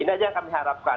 ini aja yang kami harapkan